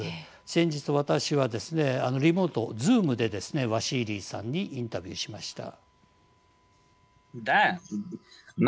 先日、私はリモートＺｏｏｍでワシーリーさんにインタビューしました。